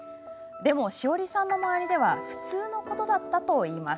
でも、しおりさんの周りでは普通のことだったといいます。